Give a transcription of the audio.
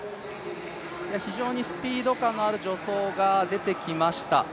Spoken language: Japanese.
非常にスピード感ある助走が出てきました。